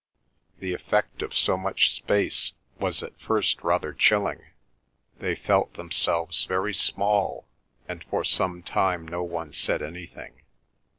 The effect of so much space was at first rather chilling. They felt themselves very small, and for some time no one said anything.